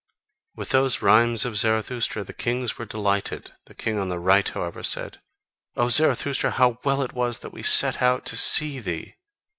With those rhymes of Zarathustra the kings were delighted; the king on the right, however, said: "O Zarathustra, how well it was that we set out to see thee!